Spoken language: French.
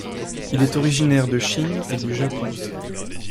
Il est originaire de Chine et du Japon.